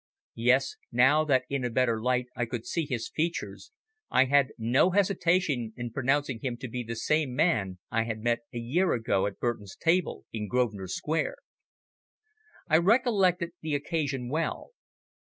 Yes, now that in a better light I could see his features, I had no hesitation in pronouncing him to be the same man I had met a year ago at Burton's table in Grosvenor Square. I recollected the occasion well.